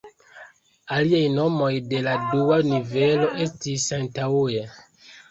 Aliaj nomoj de la dua nivelo estis antaŭe.